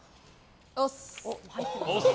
押忍！